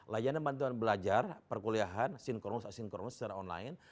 layanan bantuan belajar perkuliahan sinkronus asinkronus secara online